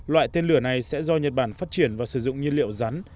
loại tên lửa này sẽ do nhật bản phát triển và sử dụng nhiên liệu rắn